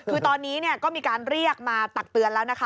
คือตอนนี้ก็มีการเรียกมาตักเตือนแล้วนะคะ